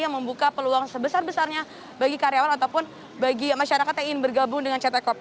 yang membuka peluang sebesar besarnya bagi karyawan ataupun bagi masyarakat yang ingin bergabung dengan ct corp